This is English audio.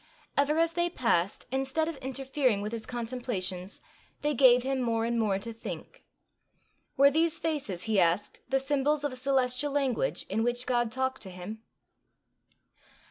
Ever as they passed, instead of interfering with his contemplations, they gave him more and more to think: were these faces, he asked, the symbols of a celestial language in which God talked to him?